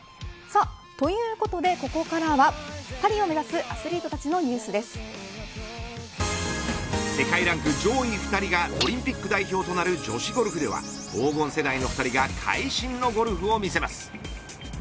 ということで、ここからはパリを目指すアスリートたちの世界ランク上位２人がオリンピック代表となる女子ゴルフでは黄金世代の２人が会心のゴルフを見せます。